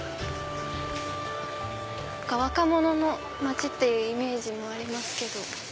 若者の街っていうイメージもありますけど。